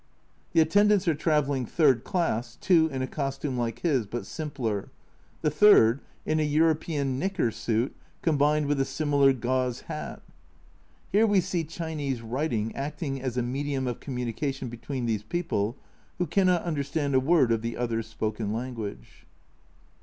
The attendants are travelling third class, two in a costume like his, but simpler, the third in a European knicker suit combined with a similar gauze hat ! Here we see Chinese writing acting as a medium of communication between these people, who cannot understand a word of the other's spoken language.